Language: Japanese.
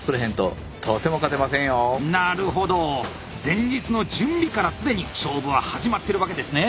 前日の準備から既に勝負は始まってるわけですね。